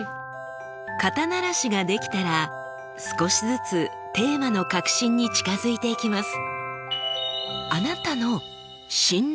肩慣らしができたら少しずつテーマの核心に近づいていきます。